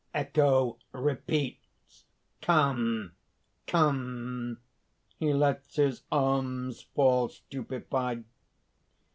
(_Echo repeats: Come! Come! he lets his arms fall, stupefied.